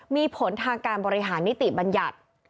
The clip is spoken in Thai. มีผลทางการบริหารนิติบัญญัติ